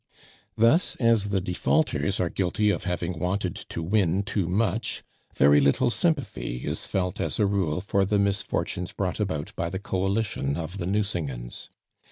Thus, as the defaulters are guilty of having wanted to win too much, very little sympathy is felt as a rule for the misfortunes brought about by the coalition of the Nucingens.